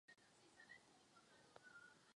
G. Poltera.